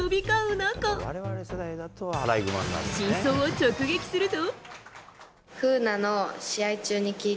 中真相を直撃すると。